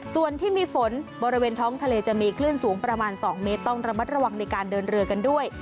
ส่วนที่มีฝนบริเวณท้องทะเลจะมีคลื่นสูงประมาณ๒เมตรต้องระมัดระวังในการเดินเรือกันด้วย